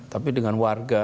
tapi dengan warga